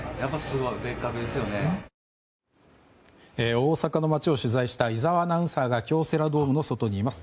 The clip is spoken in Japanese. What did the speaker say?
大阪の街を取材した井澤アナウンサーが京セラドームの外にいます。